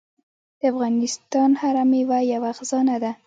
د افغانستان هره میوه یوه خزانه ده.